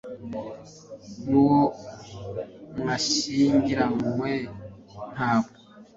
nu wo mwashyingiranywe, ntabwo